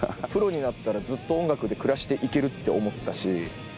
プロになったらずっと音楽で暮らしていけるって思ったし。